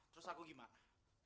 terus aku gimana